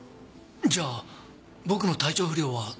じゃあ僕の体調不良はそれで？